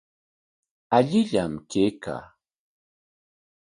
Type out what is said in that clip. Allillam kaykaa.